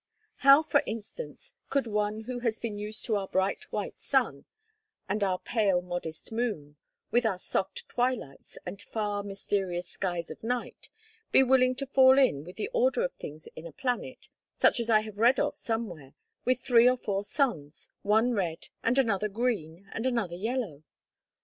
How, for instance, could one who has been used to our bright white sun, and our pale modest moon, with our soft twilights, and far, mysterious skies of night, be willing to fall in with the order of things in a planet, such as I have read of somewhere, with three or four suns, one red and another green and another yellow?